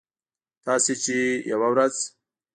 تاسې چې یوه ورځ